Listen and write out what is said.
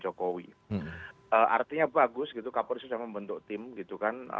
artinya bagus gitu kapolri sudah membentuk tim gitu kan